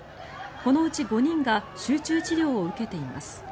このうち５人が集中治療を受けています。